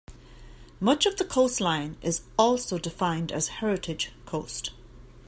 Much of the coastline is also defined as heritage coast.